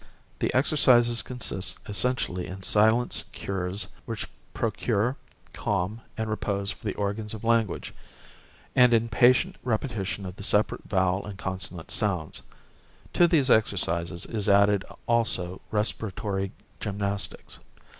The exercises consist essentially in silence cures which procure calm and repose for the organs of language, and in patient repetition of the separate vowel and consonant sounds; to these exercises is added also respiratory gymnastics.